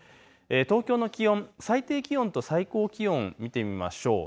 東京の気温、最低気温と最高気温を見てみましょう。